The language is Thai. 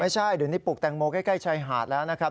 ไม่ใช่เดี๋ยวนี้ปลูกแตงโมใกล้ชายหาดแล้วนะครับ